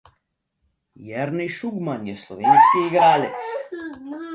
Jernej Šugman je slovenski igralec.